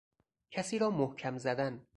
کسی را محکم زدن